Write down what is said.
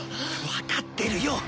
わかってるよ！